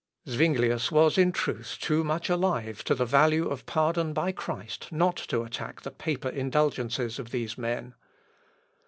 Zuinglius was in truth too much alive to the value of pardon by Christ not to attack the paper indulgences of these men.